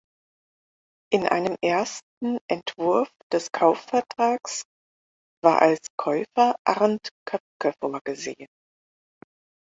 In einem ersten Entwurf des Kaufvertrags war als Käufer Arnd Köpke vorgesehen.